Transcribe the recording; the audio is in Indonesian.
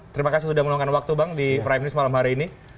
terima kasih sudah meluangkan waktu bang di prime news malam hari ini